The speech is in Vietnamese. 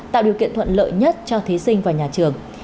tạo điều kiện thuận lợi nhất cho thí sinh và nhà trường